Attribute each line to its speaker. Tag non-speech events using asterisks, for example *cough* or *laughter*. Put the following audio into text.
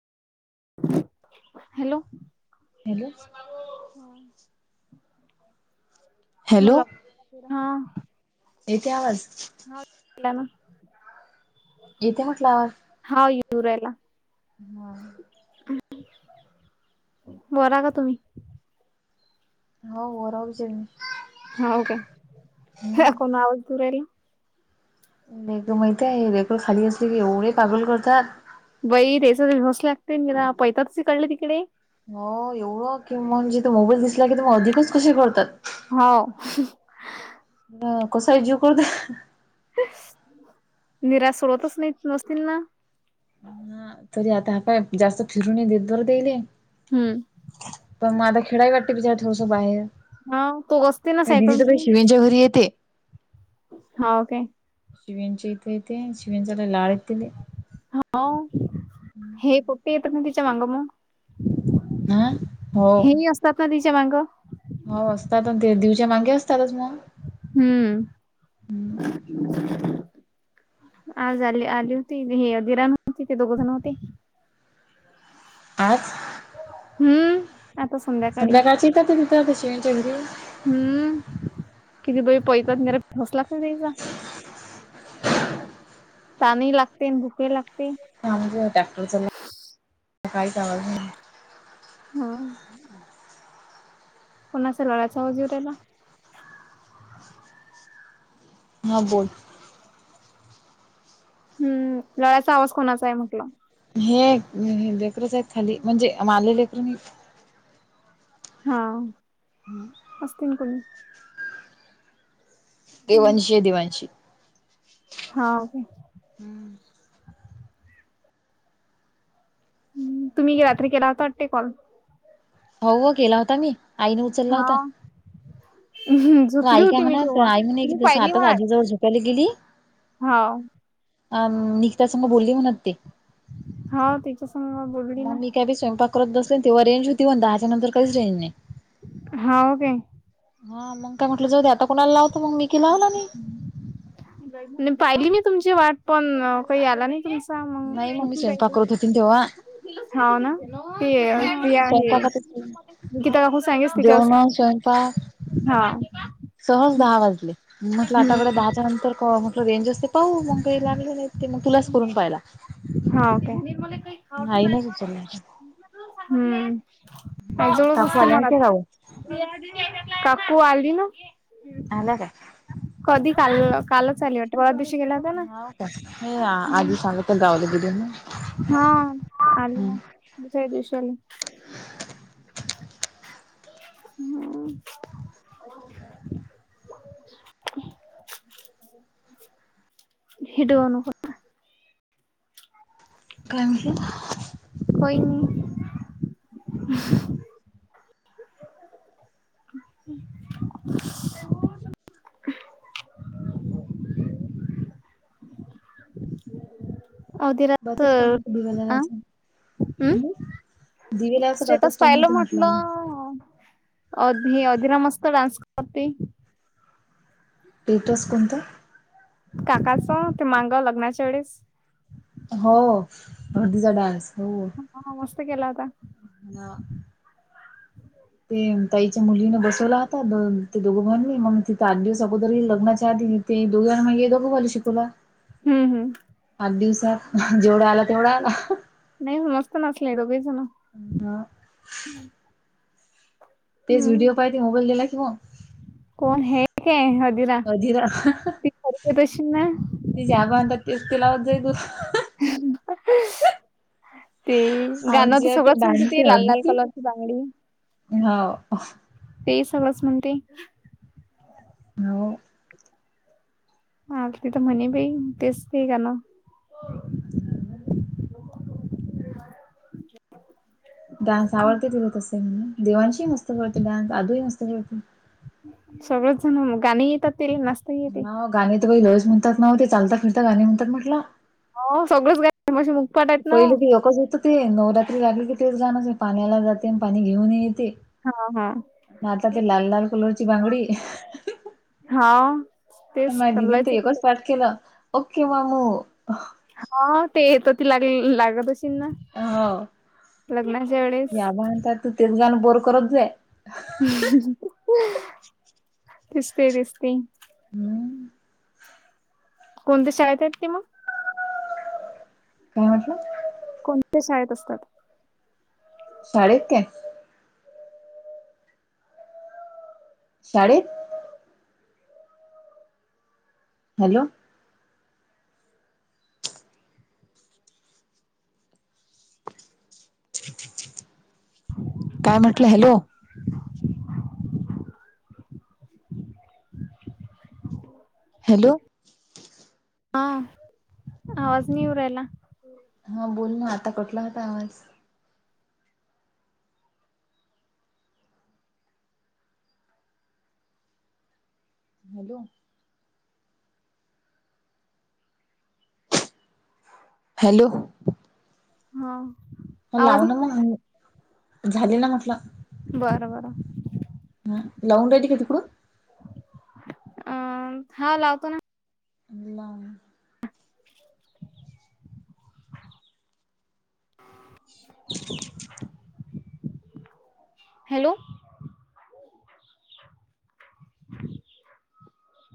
Speaker 1: Hello!
Speaker 2: Hello!
Speaker 1: हा मला हा
Speaker 2: येती आवाज?
Speaker 1: हा
Speaker 2: येतीया म्हटलं आवाज?
Speaker 1: हाव येऊ राहिला.
Speaker 2: हा!
Speaker 1: बरा का तुम्ही?
Speaker 2: हो वरब जेम.
Speaker 1: हा हो काे कोण आवाज दूर यला.
Speaker 2: बेक माहितीय आहे बेक खाली असली की एवढे पागोल करतात.
Speaker 1: बाई तेच भवस लागते गरा पैता तस कळले तिकडे.
Speaker 2: हो एवढं कि म्हणजे त मोबाईल दिसला की ते मग अधिकच कसे करतात.
Speaker 1: हो.
Speaker 2: ह कस इ जू करत.
Speaker 1: निराशरवतच नाही नसतीलना.
Speaker 2: हा तरी आता ह काय जास्त फिरून देत बर देले.
Speaker 1: हम्म.
Speaker 2: पण मग आता खेळावी वाटते बिचार थोडंस बाहेर.
Speaker 1: हा तो असते ना
Speaker 2: म दिदी
Speaker 1: सायकल
Speaker 2: तर शिवंच्या घरी येते.
Speaker 1: हा ओके
Speaker 2: शिवंच्या इथे येते शिवंचाला लाळ येतेले
Speaker 1: हो हे पोट्टी येत ना तिच्या मग मग
Speaker 2: हा हो
Speaker 1: हे असतात ना तिच्या माग
Speaker 2: हो असतात ते दिवच्या मागे असतातच मग
Speaker 1: हम्म आज आली आली होती हेधिराण होती ते दोघजण होते.
Speaker 2: आच.
Speaker 1: हम्म आता सुंदर.
Speaker 2: संध्याकाय चथात तिथ शिवच्या घरी.
Speaker 1: हम्म किती बई पैतातरा फस लाग नाही त्यायचा. पाणी लागते भुके लागते.
Speaker 2: हजे टॅक्टर चा काहीच आवाज.
Speaker 1: हा. कोणा अस लोळाचा वजेवरा्याला.
Speaker 2: हा बोल.
Speaker 1: हम्म लळ्याचा आवाज कोणाचा आहे म्हटलं.
Speaker 2: हे लेकरच आहेत खाली म्हणजे माले लेकर म.
Speaker 1: हा.
Speaker 2: हम्.
Speaker 1: असस्तील ना कोणी.
Speaker 2: दिवंशी आहे दिवांशी.
Speaker 1: हाे.
Speaker 2: हम्.
Speaker 1: तुम्ही रात्री केला होता वाटतेे कॉल.
Speaker 2: हो हो केला होता मी आईने उचलला होता.
Speaker 1: हा
Speaker 2: तू
Speaker 1: झोपली
Speaker 2: आई काय
Speaker 1: होती मी
Speaker 2: म्हणा
Speaker 1: तेव्हा
Speaker 2: आई म्हण
Speaker 1: मी
Speaker 2: जस आताच आजीजवळ झुकायला गेली.
Speaker 1: होा.
Speaker 2: अ नघतासमर बोलली म्हणत ते.
Speaker 1: हा तिच्या समोर.
Speaker 2: मग मी काय बी स्वयंपाक करत बसते तेव्हा रेंज होती पण दहाच्या नंतर काहीच रेंज नाही.
Speaker 1: हा ओ काे.
Speaker 2: हा मग काय म्हटलं जाऊ आता कोुणाला लावत मग मिकी लावला नाही.
Speaker 1: पाहिली मी तुमची वाट पण काही आला नाही क.
Speaker 2: नाही मग
Speaker 1: मंग
Speaker 2: मी स्वयंपाक करत होती तेव्हा
Speaker 1: हा ना ते अस
Speaker 2: हा
Speaker 1: आहे
Speaker 2: स्वयंपाकातच
Speaker 1: म किता काकून सांगेस तिच्या
Speaker 2: जेवण स्वयंपाक
Speaker 1: हा
Speaker 2: सहज दहा वाजले म्हटलं आताकडे
Speaker 1: हम्म
Speaker 2: दहाच्या नंतर म्हटलं रेंज असते पाहू मग काही लागले नाही ते मग तुलाच करून पाहिला.
Speaker 1: ह का म काही खा
Speaker 2: आईनच
Speaker 1: का.
Speaker 2: उचलला
Speaker 1: त्याजवळ
Speaker 2: काकू
Speaker 1: असते
Speaker 2: आल्या
Speaker 1: मला
Speaker 2: नाहीत राहू
Speaker 1: काकू आली ना.
Speaker 2: अला का.
Speaker 1: कधी काल कालच ली वाटते क दिवशी गेला होता ना.
Speaker 2: आधी सांगत गावलं गेली ना.
Speaker 1: हा आली ना
Speaker 2: हम्म
Speaker 1: दुसऱ्या दिवशी आली. हम्म. हिडवण.
Speaker 2: कामीही.
Speaker 1: होईनी.
Speaker 2: हम्म..
Speaker 1: होदिरास
Speaker 2: बातच टाईम होत दिवे
Speaker 1: अ
Speaker 2: लावायचा.
Speaker 1: हम.
Speaker 2: दिवे लावायचा
Speaker 1: स्टेटस
Speaker 2: बातच टाईम
Speaker 1: पाहिलं
Speaker 2: होते
Speaker 1: म्हटलं अध अधिरा मस्त डान्स करते.
Speaker 2: पीटर्स कोणता.
Speaker 1: काकाचं ते मांगाव लग्नाच्या वेळेस.
Speaker 2: हो हळदीचा डान्स हो.
Speaker 1: हा मस्त केला होता.
Speaker 2: ह ते ताईच्या मुलीने बसवला होता ते दोघं बईनी मग तिथे आठ दिवस अगोदर लग्नाच्या आधी ते दोघेना म्हगे दोघं खली शिकूला.
Speaker 1: हम्म हम्.
Speaker 2: आठ दिवसात जेवढा आला तेवढा आला.
Speaker 1: नाही समस्त नासले रडोगेज ना.
Speaker 2: आ.
Speaker 1: हम्म
Speaker 2: तेेज्हिडीओ पाय ते म मोबाईल दि लाखव.
Speaker 1: कोण हे काय. हदिरा
Speaker 2: अधी रा
Speaker 1: ती करते तशी ना
Speaker 2: ते ज्या बधतात तेच ते लावत जाई तू.
Speaker 1: *unintelligible* ते गाणं तर
Speaker 2: आमच्या
Speaker 1: सगळंच म्हणते
Speaker 2: डान्सची
Speaker 1: ते लाल लाल
Speaker 2: हळदीची
Speaker 1: कलरची बांगडी.
Speaker 2: हो.
Speaker 1: ते सगळच म्हणते.
Speaker 2: हो
Speaker 1: म त तर म्हणे भई तेचते का ना.
Speaker 2: डान्स आवडते तिला तसे म्हणून देवांशी मस्त कळते डान्स आजूही मस्त कळते.
Speaker 1: सगळच जण गाणी येतात तेरी नसते.
Speaker 2: ह गाणी तर प लवज म्हणतात नाव्ह ते चालता फिरता गाणी म्हणतात म्हटलं.
Speaker 1: हो सगळंच गाणी माझे मुखपाट आहेत ना हो
Speaker 2: पहिले ते एकच येत ते नवरात्री झाली की तेच जाण य. पाण्याला जाते आणि पाणी घेऊन येते.
Speaker 1: हा हा.
Speaker 2: आता ते लाल लाल कलोरची बांगडी.
Speaker 1: हा. तेच
Speaker 2: मा दिदीन तर
Speaker 1: करायचं
Speaker 2: हेच
Speaker 1: तिथे
Speaker 2: वा्ट केलं ओके मम.
Speaker 1: हा ते येतो ती लाग लागतशी ना.
Speaker 2: हो
Speaker 1: लग्नाच्या वेळेस
Speaker 2: या बणतात तर तेच गाणं बोर करत जा.
Speaker 1: दिसते दिसते.
Speaker 2: हम्म.
Speaker 1: कोणत्या शाळेत आहेत ते मग.
Speaker 2: का म्हत.
Speaker 1: कोणत्या शाळेत असतात.
Speaker 2: शाळेत काय. शाडेत. हॅलो *inaudible* काय म्हटलं हॅलो हॅलो
Speaker 1: आ आवाज नाय येऊ राहिला
Speaker 2: हा बोल ना आता कटला होता आवाज. Hello hello.
Speaker 1: हा
Speaker 2: ह
Speaker 1: आवाज
Speaker 2: लाव
Speaker 1: नाही
Speaker 2: ना
Speaker 1: येऊ
Speaker 2: मंग हं झाली ना म्हटलं
Speaker 1: बरं बरं
Speaker 2: हा लावून दयायची काय तिकडूनं
Speaker 1: अ हा लावतो ना
Speaker 2: मंग
Speaker 1: *unintelligible* *unintelligible* हॅलो